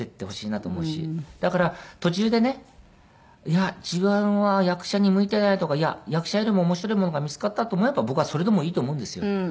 だから途中でねいや自分は役者に向いてないとかいや役者よりも面白いものが見つかったと思えば僕はそれでもいいと思うんですよ。